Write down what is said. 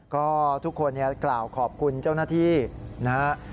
ก็ทุกคนกล่าวขอบคุณเจ้าหน้าที่นะครับ